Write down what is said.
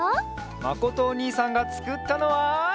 まことおにいさんがつくったのは。